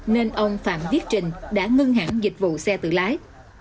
nên ông phạm viết trình đã ngưng hãng dịch vụ xe tự lái